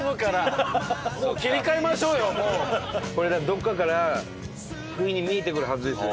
どこかから不意に見えてくるはずですよ